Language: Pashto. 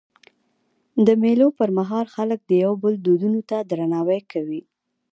د مېلو پر مهال خلک د یو بل دودونو ته درناوی کوي.